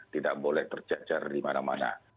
tidak boleh tercecer di mana mana